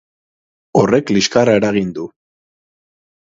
Horrek liskarra eragin du.